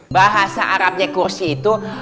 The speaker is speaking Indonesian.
bahasa arabnya kursi itu